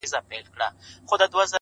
پرمختګ د عذرونو پرېښودل غواړي،